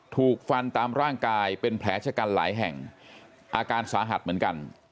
ถูกฟันตามร่างกายเป็นแผลชะกันหลายแห่งอาการสาหัสเหมือนกัน